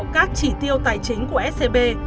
các chỉ tiêu tài chính của scb